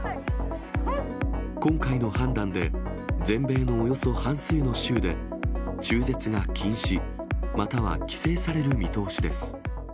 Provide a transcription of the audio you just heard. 今回の判断で、全米のおよそ半数の州で、中絶が禁止、または規制される見通しです。